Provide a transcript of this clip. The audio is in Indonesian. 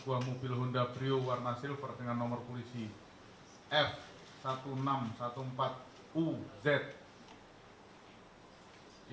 khusus untuk masalah surabaya saya atas nama g b sumas polri